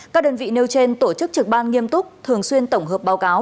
các đơn vị nêu trên tổ chức trực ban nghiêm túc thường xuyên tổng hợp báo cáo